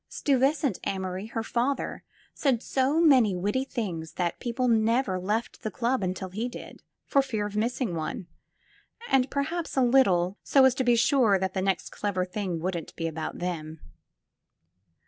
Stuyvesant Amory, her father, said so many witty things that people never left the club until he did, for fear of missing one — and perhaps, a little, so as to be sure that the next clever thing wouldn't be about them.